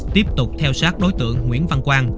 tiếp tục theo sát đối tượng nguyễn văn quang